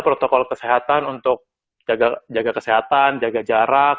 protokol kesehatan untuk jaga kesehatan jaga jarak